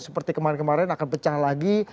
seperti kemarin kemarin akan pecah lagi